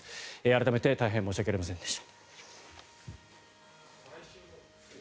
改めて大変申し訳ありませんでした。